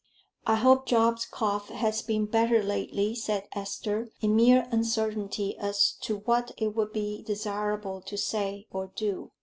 "I hope Job's cough has been better lately," said Esther, in mere uncertainty as to what it would be desirable to say or do.